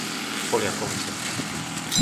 Poliakovce